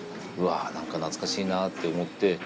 うわ何か懐かしいなって思って。